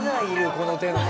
この手の人。